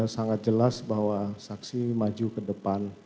sangat jelas bahwa saksi maju ke depan